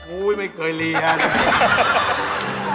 อุ๊ยไม่เคยเรียนเลย